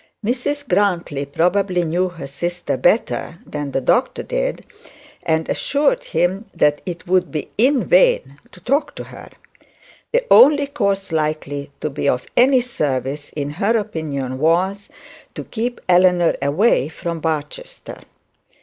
Mrs Grantly probably knew her sister better than the doctor did, and assured him that it would be in vain to talk to her. The only course likely to be of any service in her opinion was to keep Eleanor away from Barchester.